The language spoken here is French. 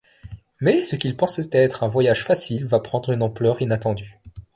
Mais ce qu'il pensait être un voyage facile va prendre une ampleur inattendue.